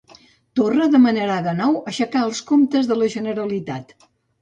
Torra demanarà de nou aixecar els comptes de la Generalitat